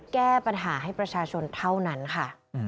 แก้ปัญหาให้ประชาชนเท่านั้นค่ะ